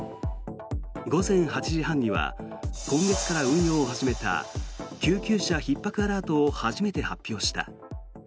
午前８時半には今月から運用を始めた救急車ひっ迫アラートを初めて発表した。